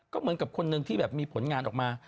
ก็เหมือนกับคนหนึ่งที่แบบมีผลงานออกมา